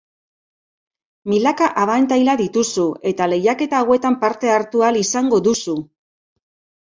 Milaka abantaila dituzu, eta lehiaketa hauetan parte hartu ahal izango duzu!